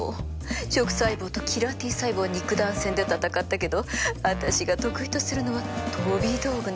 食細胞とキラーＴ細胞は肉弾戦で闘ったけど私が得意とするのは飛び道具なの。